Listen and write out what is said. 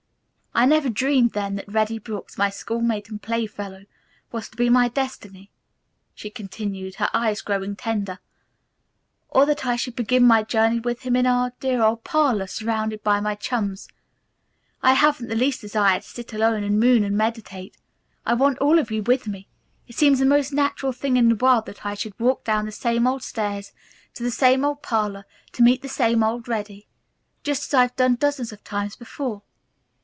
I never dreamed, then, that Reddy Brooks, my schoolmate and playfellow, was to be my destiny," she continued, her eyes growing tender, "or that I should begin my journey with him in our dear old parlor, surrounded by my chums. I haven't the least desire to sit alone and moon and meditate. I want all of you with me. It seems the most natural thing in the world that I should walk down the same old stairs to the same old parlor to meet the same old Reddy, just as I've done dozens of times before."